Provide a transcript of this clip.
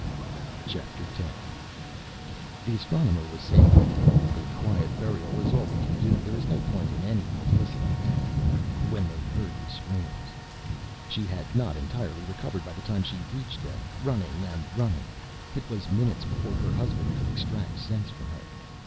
X The Astronomer was saying, "A quiet burial is all we can do. There is no point in any publicity now," when they heard the screams. She had not entirely recovered by the time she reached them, running and running. It was minutes before her husband could extract sense from her.